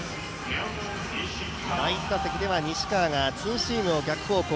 第１打席では西川がツーシームを逆方向